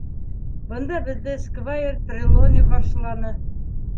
Бында беҙҙе сквайр Трелони ҡаршыланы.